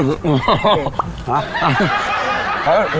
เฮ้ยพี่นะครับ